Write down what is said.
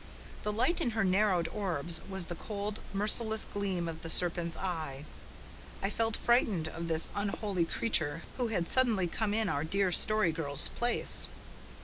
The light in her narrowed orbs was the cold, merciless gleam of the serpent's eye. I felt frightened of this unholy creature who had suddenly come in our dear Story Girl's place.